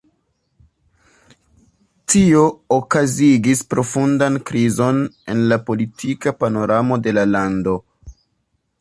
Tio okazigis profundan krizon en la politika panoramo de la lando.